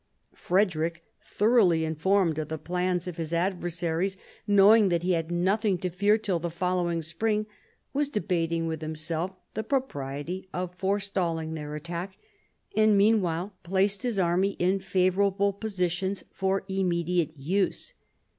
Frederick, thoroughly informed of the plans of his adversaries, knowing that he had nothing to fear till the following spring, was debating with himself the propriety of forestalling their attack, and meanwhile placed his army in favourable positions for immediate use.